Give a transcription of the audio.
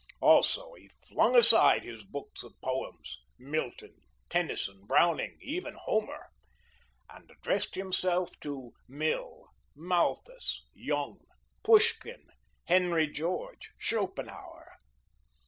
Also he flung aside his books of poems Milton, Tennyson, Browning, even Homer and addressed himself to Mill, Malthus, Young, Poushkin, Henry George, Schopenhauer.